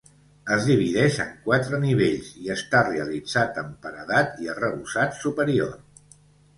Es divideix en quatre nivells i està realitzat amb paredat i arrebossat superior.